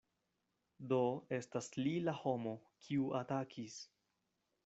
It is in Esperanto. Do estas li la homo, kiu atakis.